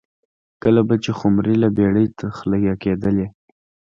کله به چې خُمرې له بېړۍ تخلیه کېدلې